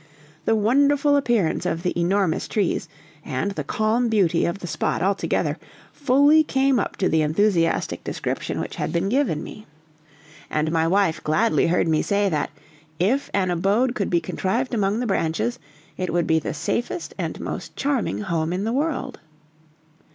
The wonderful appearance of the enormous trees, and the calm beauty of the spot altogether, fully came up to the enthusiastic description which had been given me. And my wife gladly heard me say that, if an abode could be contrived among the branches, it would be the safest and most charming home in the world.